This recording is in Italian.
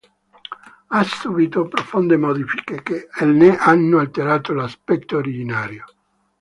Ha subito profonde modifiche che ne hanno alterato l'aspetto originario.